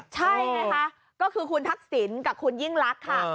ใช่ไงคะก็คือคุณทักษิณกับคุณยิ่งลักษณ์ค่ะ